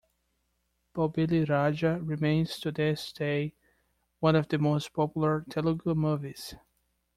"Bobbili Raja" remains to this day one of the most popular Telugu movies.